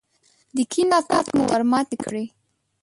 د کيڼ لاس ګوتې مو ور ماتې کړې.